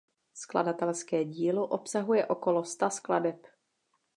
Skladatelské dílo obsahuje okolo sta skladeb.